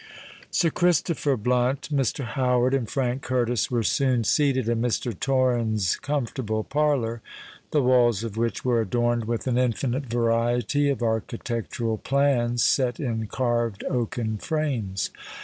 Sir Christopher Blunt, Mr. Howard, and Frank Curtis were soon seated in Mr. Torrens' comfortable parlour, the walls of which were adorned with an infinite variety of architectural plans set in carved oaken frames.